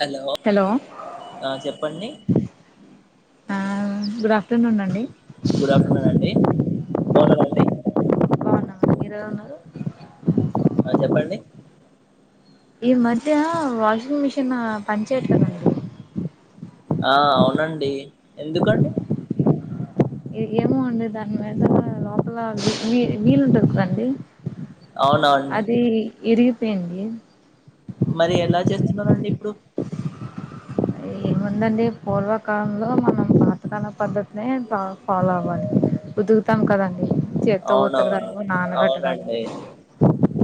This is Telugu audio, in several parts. హలో ఆ చెప్పండి ఆ గుడ్ ఆఫ్టర్నూన్ అండి గుడ్ ఆఫ్టర్నూన్ అండి బాగున్నారా అండి ఇరవైన్నారు ఆ చెప్పండి ఈ మధ్య వాషింగ్ మిషిన్ పని చేయట్లేదండి ఆ అవునండి ఎందుకండి ఏమో అండి దధర్ లోపల వీలుంటది కదండీ అవునునవును ఇరిగిపోయింది మరి ఎలా చేస్తున్నరాండి ఇప్పుడు ఏముందండి పూర్వకాలంలో మనం పాతకాల పద్ధతినే ఫాలో అవ్వాలి ఉతుకుతాం కదం అవునవును అవునండి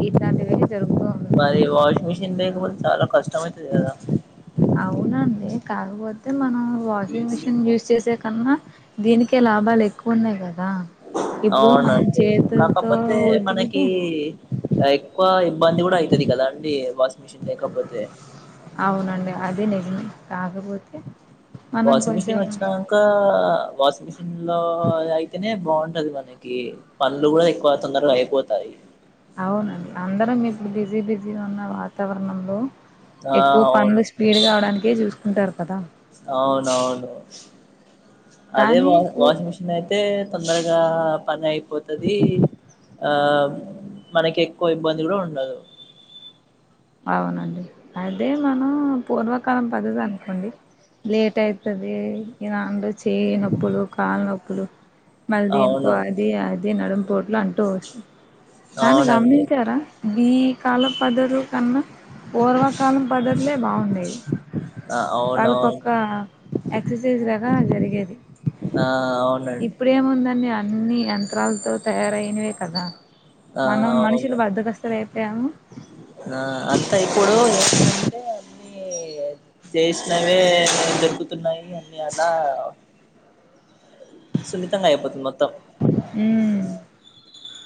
ఇట్లాంటివి జరుగుతూ మరి ఉంటుంది వాషింగ్ మిషిన్ లేకపోతే చాలా కష్టంమైతు దదా అవునండి కాకపోతే మనం వాషింగ్ మిషిన్ యూస్ చేసే కన్నా దీనికే లాభాలు ఎక్కువ ఉన్నాయి కదా ఇప్పుడు మనం అవునండి చేతులతో కాకపోతే ఉతికితే మనకి ఎక్కువ ఇబ్బంది కూడా అవుతుది కదా అండి వ అవునండి అదే నిజం కాకపోతే మనం వాషింగ్ కొంచెం మిషిన్ వచ్చినాక వాస్మి [inaudible] న్లో అయితేనే బావున్ తది మనకి పనులు కూడా ఎక్కువ తొందరగా అయిపోతాయి అవునండి అందరం ఇప్పుడు బిజీ బిజీ ఉన్న వాతావరణంలో ఆ ఎక్కువ అవును పనులు స్పీడ్ గా అవడానికే చూస్ ఉంటారు కదా అవునవును అదే కానీ వా పూ వాషింగ్ మిషిన్ అయితే తొందర గా పనై పోతది ఆ మనకి ఎక్కువ ఇబ్బంది కూడా ఉండదు అవునండి అదే మనం పూర్వకాలం పద్ధతి అనుకోండి లేట్ ఐతది ఇలాంటి చేయి నొప్పులు కాళ్ళ నొప్పులు మల్లి దేనికో అవును అది అది నడుం ఇట్లా అంటూ వస్తూ దాన్ని అవునండి గమనించారా దీ కాలం పద్దదు కన్ను ఓర్వా కాలం పద్ద ముందే బావుండేది ఆ అవునవును ఎక్సర్సైజ్ లాగ జరిగేది ఆ అవునండి ఇప్పుడే ముందనీ ఆ అన్ని యంత్రాలతో తయారైనవే కదా ఆ మనం మనుషులం అవును బద్దకస్తులు అయిపోయాము ఆ అంతా ఇప్పుడు ఎంటంటే అన్ని చేసినవే దొరుకుతున్నాయి అని అలా సున్నితంగా అయిపోతుంది మొత్తం హమ్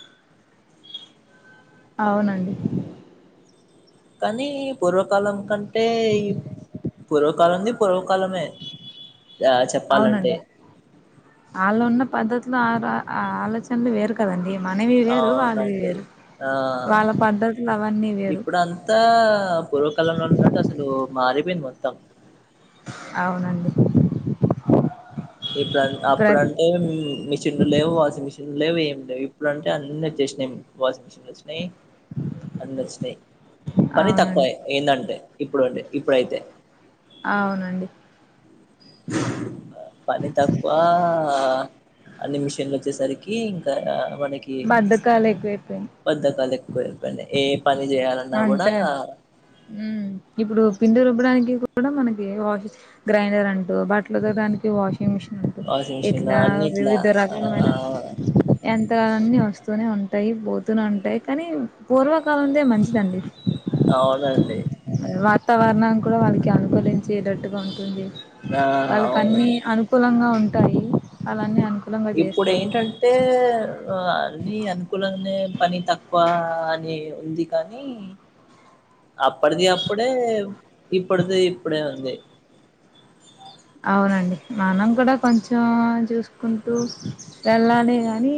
అవునండి కానీ పూర్వకాలం కంటే ఈ పూర్వకాలంని పూర్వ కాలమే ఆ చెప్పాలంటే అవునండి ఆళ్ళు ఉన్న పద్ధతులు ఆలోచనలు వేరు కదండి మనవి వేరు వాళ్ళవి అవునండి వేరు ఆ వాళ్ళ పద్ధతులు అవన్నీ వేరు ఇప్పుడంతా పూర్వకాలంలో ఉన్నట్టు అసలు మారిపోయింది మ తమ అవునండి ఇప్పుడు ప్రతి అప్పుడంటే మిషన్లు లేవు వాషింగ్ మిషన్ లేవు ఏమి ఇప్పుడు అంటే అన్ని వచ్చసినాయి వాషింగ్ మిషన్ వచ్చ అ నచ్చాయి పని తక్కువ అవునండి ఏందంటే ఇప్పుడు అండి ఇప్పుడైతే అవునండి పని తక్కువ అన్ని మిషన్లు వచ్చేసరికి ఇంకా మనకి బద్ధకాలు ఎక్కువైపోయినయి బద్దకాల ఎకువపో ఏ పని చేయ అంతే అడి ఇప్పుడు పిండి రుబ్బుడు మన వాష గ్రైండర్ అంటూ బట్టల ద వాష మిషన్ంట వాషింగ్ మిషిన్ ఇట్లా అన్నిట్లా వివిధ ఆ రకాలైన యంత్రాలన్నీ వస్తూనే ఉంటా ఉంటాయి పోతూనే ఉంటాయి కానీ పూర్వకాలం లే మంచి అండి అవునండి వాతావరణాం కూడా వాళ్ళకి అనుకూలించేటట్టుగా ఉంటుంది ఆ వాళ్ళకన్ని అవును అనుకులంగా ఉంట గని అలానే అంట ఇప్పుడు ఏంటంటే అన్ని అనుకూలనే పని తక్కువా అని ఉంది కానీ అప్పుడ్ది అప్పుడే ఇప్పుడ్ది ఇప్పుడే ఉంది అవునండి మనం కూడా కొంచెం చూసుకుంటూ వెళ్ళాలి గానీ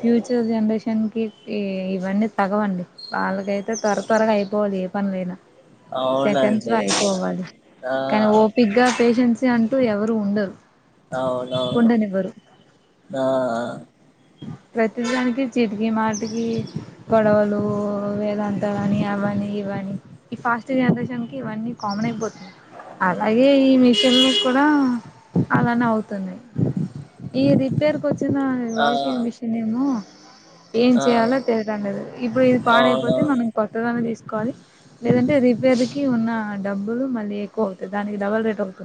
ఫ్యూచర్ జనరేషన్ క ఇవన్నీ తగవండి వాళ్ళకైతే త్వర త్వరగా అయిపోవాలి ఏ పనిలైనా సెకండ్స్ లో అవునండి అయిపోవాలి ఆ కానీ ఓపిక్ గా పేషెన్స్ అంటూ ఎవరూ ఉండరు అవునవును ఉండనివ్వరు ఆ ప్రతిదానికి చిటికి మాటికి గొడవలు వేదాంతాల అని అవని ఇవని ఈ ఫాస్ట్ జనరేషన్ కి ఇవన్నీ కామన్ అయిపోతుది అలాగె ఈ మిష్ ఇల్లు కుడా అలానే అవుతున్నాయి ఈ రిపేర్ ఇదా నీ ఆ వాయిస్ ఏ మిషనేమో ఏం ఆ చేయాలో తెలియదండ లేదు ఇప్పుడు ఇది పాడైపోతే అవునవును మనం కొత్తగా తీసుకోవాలి లేదంటే రిపేర్ ఇ ఉన్న డబ్బులు మళ్ళీ ఎక్కువ అవుతాయి దానికి డబల్ రేట్ అవుంది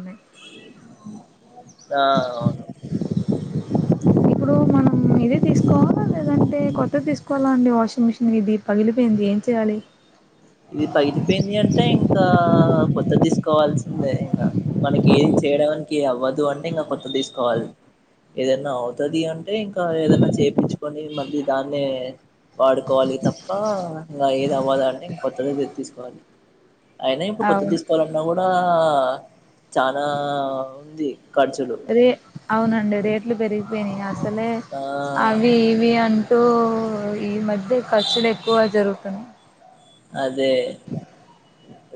దా అవును ఇప్పుడు మనమ్ ఇది తీసుకోవాల లేదంటే కొత్త తీసుకోవాలా అండి వాషింగ్ మిషిన్ ఇది పగిలిపోయింది ఏం చెయాలి ఇది పగిలిపోయింది అంటే ఇంకా కొత్తది తీసుకోవాల్సిందే ఇంక మనకి ఏది చేయడానికి అవ్వదు అంటే ఇక కొత్త తీసుకోవల్ ఏదనా అవుతది అంటే అంటే ఇంక ఏదన్నా చేపించుకొని మళ్ళీ దాన్నే వాడుకోవాలి తప్ప ఇంగా ఏది అవ్వదండి కొత్తది ఇగ తీసుకోవాలి అయిన ఇప్పుడు కొత్తది అవును తీసుకోవాలన్నా కూడా చానా ఉంది ఖర్చులు రే అవునండి రేట్లు పెరిగిపోయినా చలే ఆ అవి ఇవి అన్ దో ఇ మధ్య ఖర్చులు ఎక్కువయి జరుగుతా అదే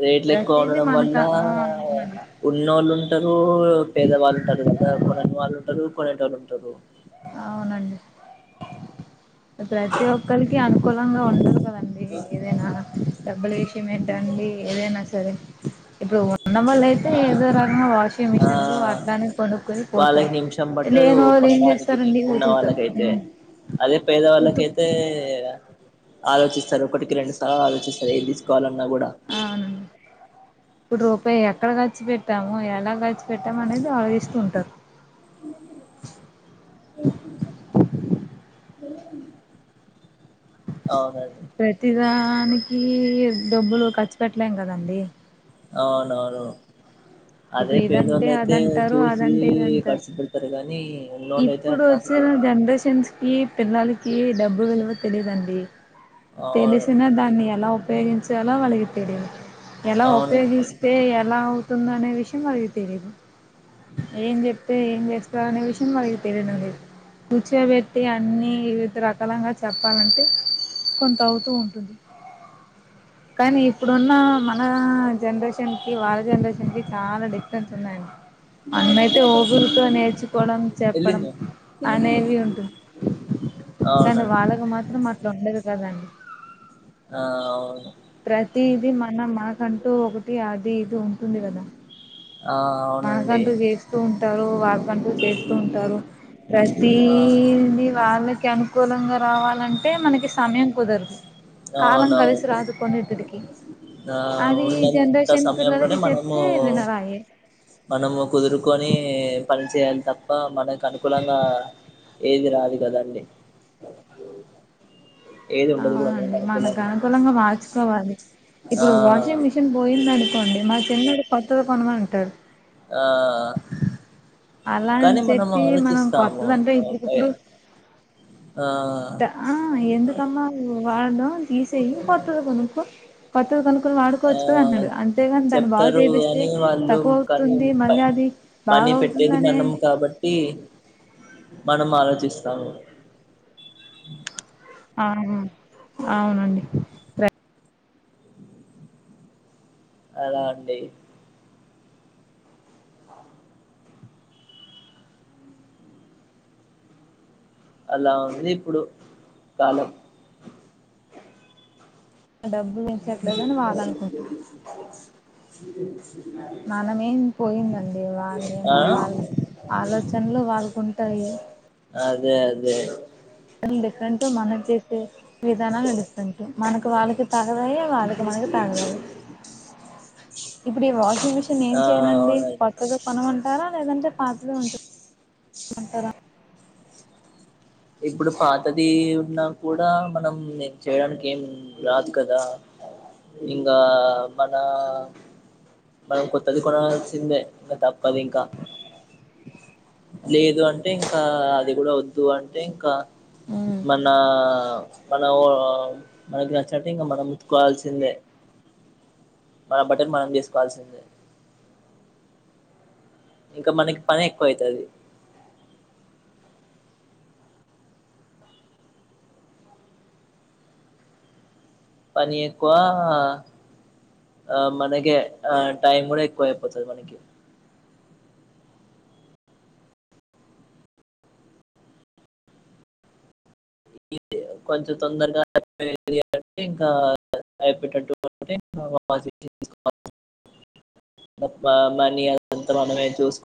రేట్లు ఎక్కువ ప్రతిదీ ఉండడం మనక వల్లా ఆ అవునండి ఉన్నోళ్లు ఉంటరు పేదవాళ్ళు ఉంటారు కదా కొనన్ని వాళ్ళు ఉంటారు కోనేటోళ్లు ఉంటారు అవునండి ప్రతి ఒక్కలికి అనుకూలంగా ఉండదు కదా తంది ఏదైనా తర్బలేష్ ట్ అండి ఏదైనా సరే ఇప్పుడు ఉన్న వాళ్ల అయితే ఏదో రకంగా వాషింగ్ ఆ మిషన్లు అట్లానే కొనుక్కుని పోతారు వాళ్ళకి నిమిషం పట్టదు లేని వాళ్ళు ఏం చేస్తారు కొనడానికి ఉన్న వాళ్ళకైతే అదే ఉతు పేదవాళ్ళకైతే ఆలోచిస్తారు ఒకటికి రెండు సార్ త ఆలోచిస్తది ఏంది తీసుకోవాలన్నా కూడా అవునండి ఇప్పుడు రూపాయి ఎక్కడ ఖర్చు పెట్టాము ఎలా ఖర్చు పెట్టాము అనేది ఆలోచిస్తూ ఉంటారు [unintelligible] అ ప్రతిదా మనికి డబ్బులు ఖర్చు పెట్టలేం కదండి అవునవును అదే ఇప్పుడు పేదవాళ్ళు ఇదంటే అయితే అదంటారు చూసి అదంటే ఇదంటారు ఖర్చు కొంటారు కానీ ఇప్పుడు వచ్చిన జనరేషన్స్ కి పిల్లలకి డబ్బు విలువ తెలీదండి అవును తెలిసినా దాన్ని ఎలా వేగంచ ఎాలలా వలగతేేడి ఎలా అవునండి ఉపయోగస్తే ఎలా మందనే విషయం అగి తెరిదు ఏం చెప్తే ఏం చేస్తారునే విషయం వాళ్ళకి తెలియడం లేదు కూర్చోబెట్టి అన్ని వివిధ రకాలుగా చెప్పాలంటే కొంత అవుతూ ఉంటుంది కానీ ఇప్పుడున్న మన జనరేషన్ కి వాళ్ళ జనరేషన్ కి చాలా డిఫరెన్స్ ఉన్నాయండి మన్నమైతే ఊగురితో నేర్చుకోవడం చెప్పడం ఎల్లిందా అనేవి ఉంటుంది అవునండి ఆ అవును కానీ వాళ్ళకు మాత్రం అట్లా ఉండదు కదండి ఆ అవును ప్రతిది మన మనకంటూ ఒకటి అది ఇది ఉంటుంది కదా ఆ అవునండి మనకంటూ చేస్తూ టారు వాగ పంటలు చేస్తూ ఉంటారు ప్రతి ఆ ద వాల అనుకూలంగా రావాలంటే మనకి సమయం కుదరుదు కాలం కలిస రా అవునవును అదుకు ఆ ఉన్నంత జనరేషన్ సమయంలోనే పిల్లలకి మనము చెప్తే వినరాయే మనము కుదురుకొని ప పని చేయాలి తప్ప మనకు అనుకూలంగా ఏది రదు కదండి ఏది ఉండదు కూడా అవునండి మనకు అనుకూలంగా మార్చుకోవాలి ఇప్పుడు ఆ వాషింగ్ మిషీన్ పోయి చి అడుకోండి మా చిన్నడు కొత్త కొనమ అంటారు ఆ అలా అని కానీ మనం చెప్పి మనం ఆలోచిస్తాము కొత్తదింటే ఆ పై ఇప్పుడికిప్పుడు ఆ ఆ ఎందుకమ్మా వాళందం తీసేయి కొత్త కొనుకు కొత్తది కొనుకులు ఆ వాడుకోవచ్చు కదా అన్నాడు అంతేగాని తాను బాగా చెప్తారు చేపిస్తే అని వాళ్ళు తక్కువ కానీ అవుతుంది మళ్ళీ అది బాగా అవుతుందినే ట్టి మనం ఆలోచిస్తాము ఆ అవునండి అలా ఉంటడి అలా ఉంది ఇప్పుడు కాలం డబ్బు పెంచట్లేదని వాళ్ళనుకుంటాను ఇ మనమేం పోయిందండి ఆ వాళ్ళేమో వాళ్ళ ఆలోచనలు వాళ్ళకు ఉంటాయి అదే అదే డిఫరెంట్గా మన చేస్తే విధానాలు డిఫరెంట్ మనకు వాళ్ళకి తాగదాయి వాళ్ళకి మనకి తాగదయి ఇప్పుడు ఈ వాషింగ్ మిషన్ ఏం ఆ చేయనండి అవునండి కొత్తగా కొనుగొంటారా లేదంటే పాపలో ఉమంటారా ఇప్పుడు పాతది ఉన్నా కూడా మనం నేను చేయడానికి ఏం రాదు కదా ఇంకా మన మనం కొత్తది కొనాల్సిందే ఇంకా తప్పదు ఇంకా లేదు అంటే ఇంకా అది కూడా వద్దు అంటే ఇంకా మనా మనం మనకి నచ్చట్టు ఇంకా మనం ఉతుకోవాల్సిందే మన బటన్ మనం తీసుకోవాల్సిందే ఇంకా మనకి పని ఎక్కువయితది పని ఎక్కువా మనకే ఆ టైం కూడా ఎక్కువ అయిపోతది మనకి కొంచెం తొందరగా అన్ని ఇంకా అయిపోయేటట్టు [unintelligible] మనమే చూసు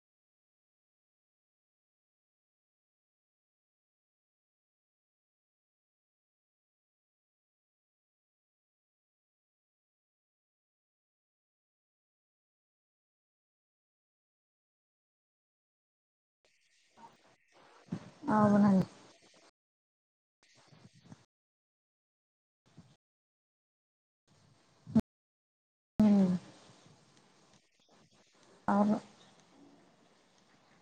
అవునండీ ఉమ్, అవును